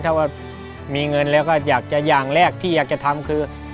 ถ้าว่ามีเงินแล้วก็อยากจะอย่างแรกที่อยากจะทำคือ